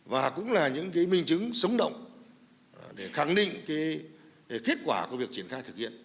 và cũng là những minh chứng sống động để khẳng định kết quả của việc triển khai thực hiện